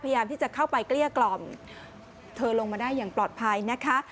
พยายามที่จะเข้าไปเกลี้ยกล่อมเธอลงมาได้อย่างปลอดภัยนะคะ